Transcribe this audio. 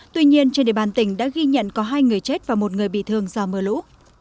tuy nhiên trên địa bàn tỉnh đã ghi nhận có hai người chết và một người bị thương do mưa lũ